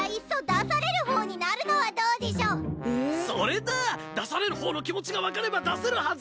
出される方の気持ちが分かれば出せるはずだぜ。